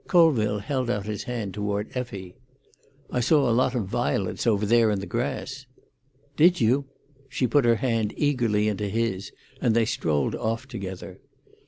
Colville held out his hand toward Effie. "I saw a lot of violets over there in the grass." "Did you?" She put her hand eagerly into his, and they strolled off together.